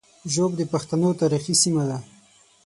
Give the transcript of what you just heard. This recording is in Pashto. ږوب د پښتنو تاریخي سیمه ده